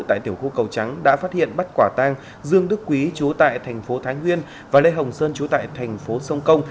tại tiểu khu cầu trắng đã phát hiện bắt quả tang dương đức quý chú tại thành phố thái nguyên và lê hồng sơn trú tại thành phố sông công